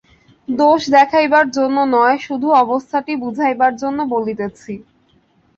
দোষ দেখাইবার জন্য নয়, শুধু অবস্থাটি বুঝাইবার জন্য বলিতেছি।